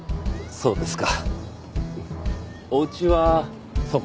そうですか。